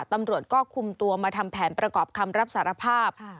ตำรวจก็คุมตัวมาทำแผนประกอบคำรับสารภาพ